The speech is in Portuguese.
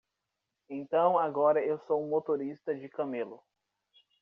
Então agora eu sou um motorista de camelo.